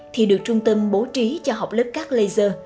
thì được trung tâm bố trí cho học lớp cát laser